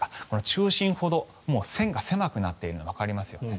中心ほど線が狭くなっているのがわかりますよね。